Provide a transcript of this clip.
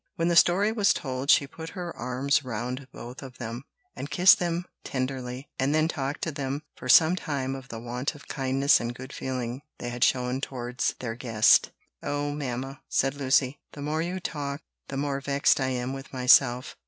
When the story was told she put her arms round both of them, and kissed them tenderly, and then talked to them for some time of the want of kindness and good feeling they had shown towards their guest. "Oh, mamma," said Lucy, "the more you talk the more vexed I am with myself.